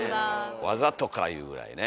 わざとかいうぐらいね。